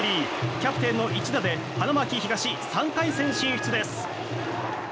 キャプテンの一打で花巻東、３回戦進出です。